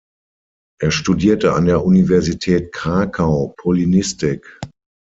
Er studierte an der Universität Krakau Polonistik.